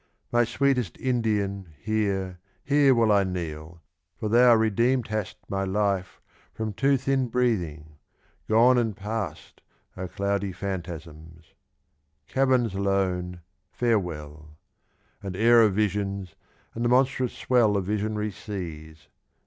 ^ My sweetest Indian, here, Here will I knetl, for thou 'xdeemed hasl My life from too thin breathing: gone and past Are cloudy phantasms. Caverns lone, farewell ! And air of visions, and the monstrous swell Of visionary seas